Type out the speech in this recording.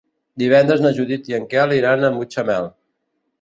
Divendres na Judit i en Quel iran a Mutxamel.